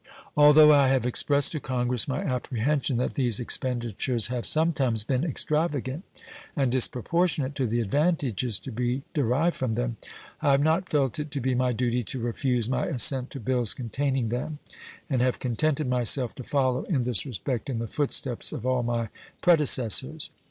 Although I have expressed to Congress my apprehension that these expenditures have some times been extravagant and disproportionate to the advantages to be derived from them, I have not felt it to be my duty to refuse my assent to bills containing them, and have contented myself to follow in this respect in the foot steps of all my predecessors.